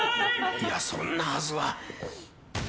いや、そんなはずは。